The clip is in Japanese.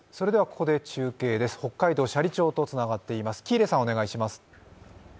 ここで中継です、北海道斜里町とつながっています。